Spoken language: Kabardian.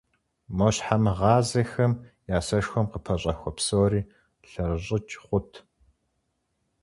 Мо щхьэмыгъазэхэм я сэшхуэм къыпэщӀэхуэ псори лъэрыщӀыкӀ хъурт.